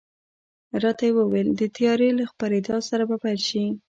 راته وې ویل، د تیارې له خپرېدا سره به پیل شي.